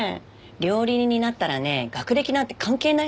料理人になったらね学歴なんて関係ないしね。